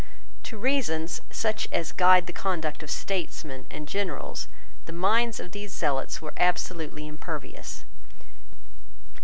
To reasons such as guide the conduct of statesmen and generals the minds of these zealots were absolutely impervious.